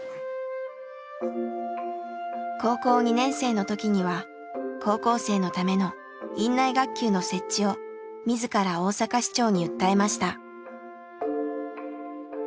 高校２年生の時には高校生のための院内学級の設置を自ら大阪市長に訴えました。